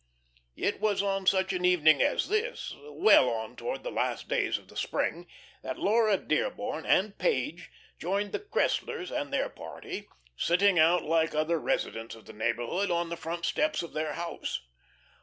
It was on such an evening as this, well on towards the last days of the spring, that Laura Dearborn and Page joined the Cresslers and their party, sitting out like other residents of the neighbourhood on the front steps of their house.